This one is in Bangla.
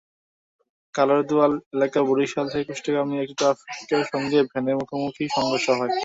কালারদুয়াল এলাকায় বরিশাল থেকে কুষ্টিয়াগামী একটি ট্রাকের সঙ্গে ভ্যানের মুখোমুখি সংঘর্ষ হয়।